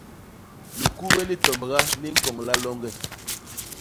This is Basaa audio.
Likubé litombga li ñkoñla loñge.